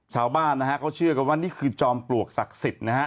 ชาวบ้านนะฮะเขาเชื่อกันว่านี่คือจอมปลวกศักดิ์สิทธิ์นะฮะ